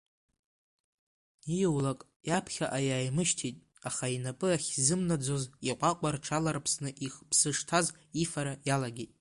Ииулак иаԥхьаҟа иааимышьҭит, аха инапы ахьзынамӡоз иҟәаҟәа рҽаларԥсны иԥсы шҭаз ифара иалагеит.